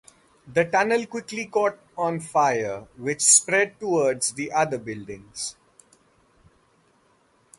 The tunnel quickly caught on fire, which spread towards the other buildings.